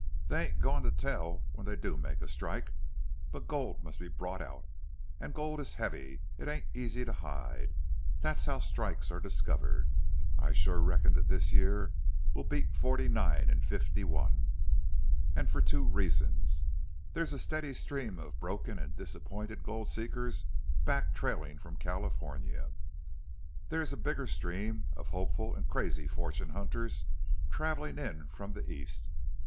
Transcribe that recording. They ain't a goin' to tell when they do make a strike. But the gold must be brought out. An' gold is heavy. It ain't easy hid. Thet's how strikes are discovered. I shore reckon thet this year will beat '49 an' '51. An' fer two reasons. There's a steady stream of broken an' disappointed gold seekers back trailin' from California. There's a bigger stream of hopeful an' crazy fortune hunters travelin' in from the East.